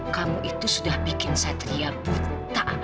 kamu itu sudah bikin satria buta